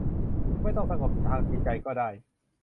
ไม่ต้องสงบทางจิตใจก็ได้